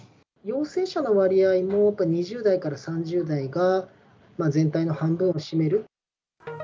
陽性者の割合も、２０代から３０代が全体の半分を占める。